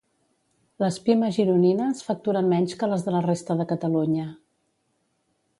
Les Pime gironines facturen menys que les de la resta de Catalunya.